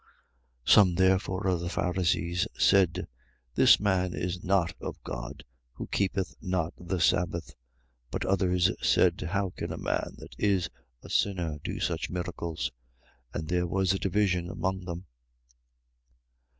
9:16. Some therefore of the Pharisees said: This man is not of God, who keepeth not the sabbath. But others said: How can a man that is a sinner do such miracles? And there was a division among them.